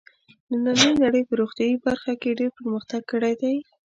نننۍ نړۍ په روغتیايي برخه کې ډېر پرمختګ کړی دی.